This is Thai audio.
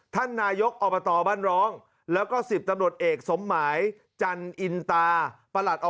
ท่านนายกอบตบ้านร้องแล้วก็๑๐ตำรวจเอกสมหมายจันอินตาประหลัดอ